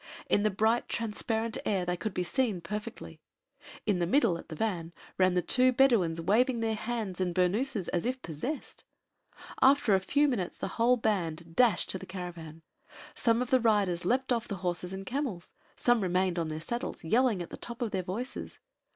In the bright transparent air they could be seen perfectly. In the middle, at the van, ran the two Bedouins waving their hands and burnooses as if possessed. After a few minutes the whole band dashed to the caravan. Some of the riders leaped off the horses and camels; some remained on their saddles, yelling at the top of their voices.